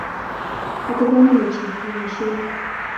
Atikonin ochei iboisieni ni.